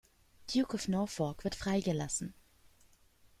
Duke of Norfolk, wieder freigelassen.